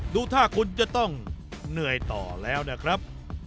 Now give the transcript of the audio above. ดูท่าคุณจะต้องเหนื่อยต่อแล้วนะครับ